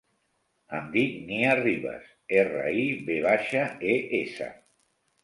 Em dic Nia Rives: erra, i, ve baixa, e, essa.